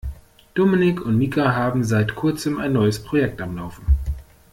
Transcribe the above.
Dominik und Mika haben seit kurzem ein neues Projekt am Laufen.